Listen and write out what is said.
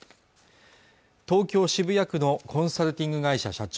東京・渋谷区のコンサルティング会社社長